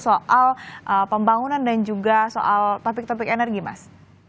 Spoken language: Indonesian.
soal pembangunan dan juga soal topik topik energi mas